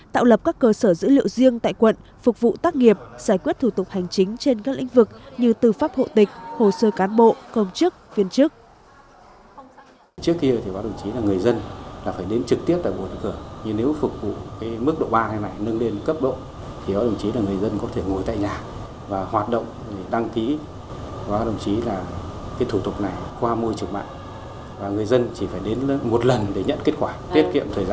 tạo lập các cơ sở dữ liệu riêng tại quận phục vụ tác nghiệp giải quyết thủ tục hành chính trên các lĩnh vực như tư pháp hộ tịch hồ sơ cán bộ công chức viên chức